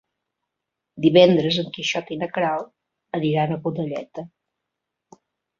Divendres en Quixot i na Queralt aniran a Godelleta.